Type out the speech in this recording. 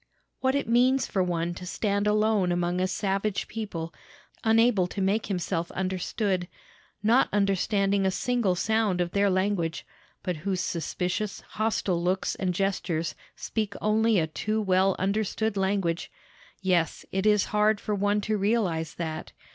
"What it means for one to stand alone among a savage people, unable to make himself understood, not understanding a single sound of their language, but whose suspicious, hostile looks and gestures speak only a too well understood language, yes, it is hard for one to realize that.